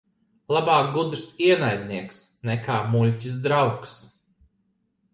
Labāk gudrs ienaidnieks nekā muļķis draugs.